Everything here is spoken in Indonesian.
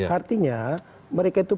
artinya mereka itu